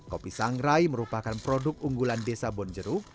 kopi sangrai merupakan produk unggulan desa bonjeruk